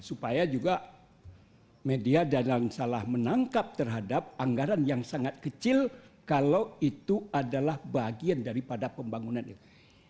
supaya juga media dadang salah menangkap terhadap anggaran yang sangat kecil kalau itu adalah bagian daripada pembangunan itu